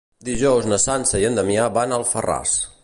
Dijous na Sança i en Damià van a Alfarràs.